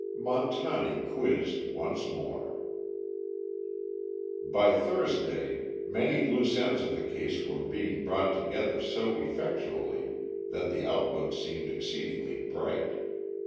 Montani Quizzed Once More By Thursday many loose ends of the case were being brought together so effectually that the outlook seemed exceedingly bright.